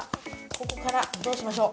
ここからどうしましょう？